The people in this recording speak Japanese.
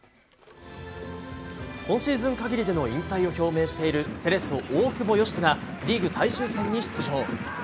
今シーズン限りでの引退を表明しているセレッソ、大久保嘉人がリーグ最終戦に出場。